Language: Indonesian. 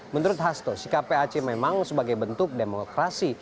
menurut hasto sikap pac memang sebagai bentuk demokrasi